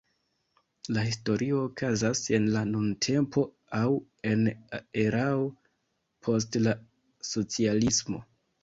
La historio okazas en la nuntempo, aŭ en erao post la socialismo.